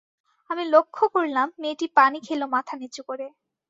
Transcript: আমি লক্ষ্য করলাম মেয়েটি পানি খেল মাথা নিচু করে।